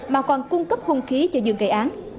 mà còn cung cấp hung khí cho dương gây án